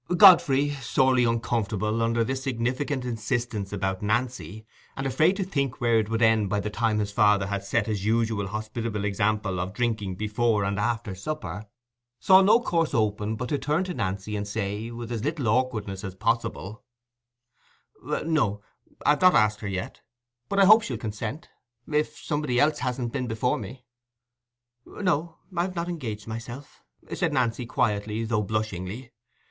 Godfrey, sorely uncomfortable under this significant insistence about Nancy, and afraid to think where it would end by the time his father had set his usual hospitable example of drinking before and after supper, saw no course open but to turn to Nancy and say, with as little awkwardness as possible— "No; I've not asked her yet, but I hope she'll consent—if somebody else hasn't been before me." "No, I've not engaged myself," said Nancy, quietly, though blushingly.